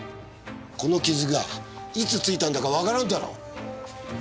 この傷がいつついたんだかわからんだろ。